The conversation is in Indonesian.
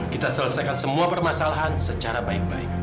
kita selesaikan semua permasalahan secara baik baik